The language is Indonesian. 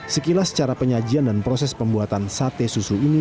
sekilas cara penyajian dan proses pembuatan sate susu ini